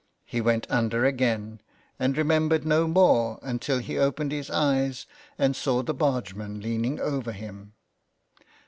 He went under again, and remembered no more until he opened his eyes and saw the bargeman leaning over him.